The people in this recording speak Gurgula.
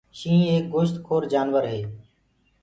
شيِنهيٚنَ ايڪ گوشتکور جآنور هي۔